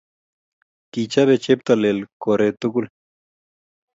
Kichope cheptailel koret tugul